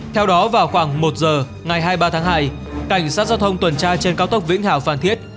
theo đó vào khoảng một giờ ngày hai mươi ba tháng hai cảnh sát giao thông tuần tra trên cao tốc vĩnh hảo phan thiết